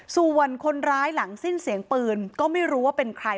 ส่วนคนร้ายหลังสิ้นเสียงปืนก็ไม่รู้ว่าเป็นใคร